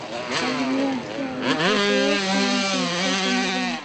আগ্রহ আছে এমন কাজ করুনপরিবার, বন্ধুবান্ধব সবাই চাকরিতে ঢোকার জন্য নতুনদের চাপাচাপি করে।